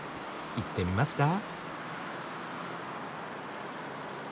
行ってみますか。